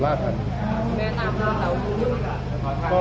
ก็ท่านก็